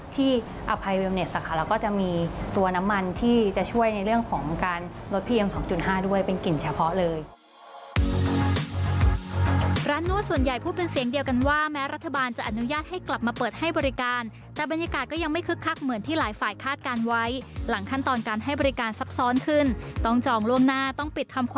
ที่อภัยวิวเน็ตส่ะค่ะแล้วก็จะมีตัวน้ำมันที่จะช่วยในเรื่องของการลดพี่ยังสองจุดห้าด้วยเป็นกลิ่นเฉพาะเลยร้านนวดส่วนใหญ่พูดเป็นเสียงเดียวกันว่าแม้รัฐบาลจะอนุญาตให้กลับมาเปิดให้บริการแต่บรรยากาศก็ยังไม่คึกคักเหมือนที่หลายฝ่ายคาดการณ์ไว้หลังขั้นตอนการให้บริการซับซ้อนข